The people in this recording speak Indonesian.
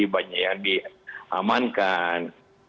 banyak yang diamankan